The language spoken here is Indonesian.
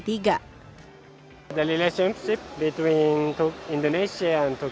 pada tahun seribu sembilan ratus tujuh puluh lima kita telah mengembangkan empat lima ratus unit